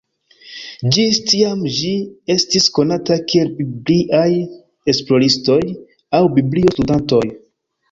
Ĝis tiam ĝi estis konata kiel "Bibliaj esploristoj" aŭ "Biblio-studantoj".